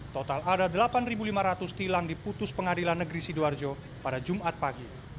total ada delapan lima ratus tilang diputus pengadilan negeri sidoarjo pada jumat pagi